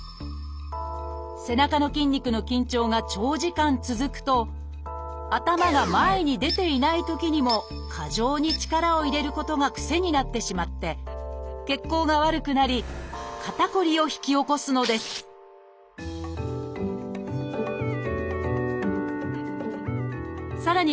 背中の筋肉の緊張が長時間続くと頭が前に出ていないときにも過剰に力を入れることが癖になってしまって血行が悪くなり肩こりを引き起こすのですさらに